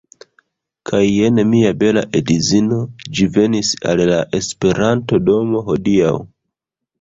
Kaj jen mia bela edzino, ĝi venis al la Esperanto-domo hodiaŭ.